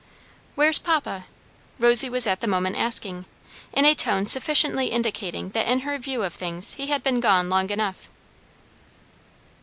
"Where's papa?" Rosy was at the moment asking, in a tone sufficiently indicating that in her view of things he had been gone long enough.